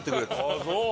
ああそう！